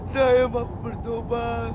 saya mau bertobat